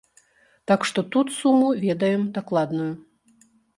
Так што тут суму ведаем дакладную.